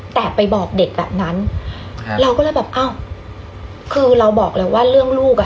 แต่ไปบอกเด็กแบบนั้นครับเราก็เลยแบบอ้าวคือเราบอกเลยว่าเรื่องลูกอ่ะ